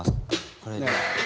これで。